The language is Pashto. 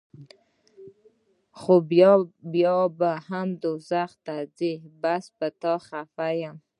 خو بیا به هم دوزخ ته ځې بس پۀ تا خفه يم